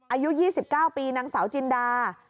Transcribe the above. อายุ๒๙ปีนางสาวจินดา